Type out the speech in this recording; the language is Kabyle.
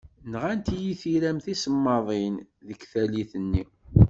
Nɣant-iyi tiram tisemmaḍin deg tallit-nni.